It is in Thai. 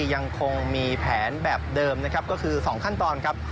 ยังคงมีแผนแบบเดิมนะครับก็คือ๒ขั้นตอนครับ